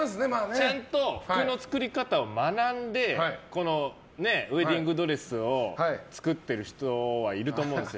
ちゃんと服の作り方を学んでウエディングドレスを作ってる人はいると思うんですよ。